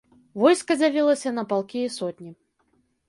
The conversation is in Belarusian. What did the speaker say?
Войска дзялілася на палкі і сотні.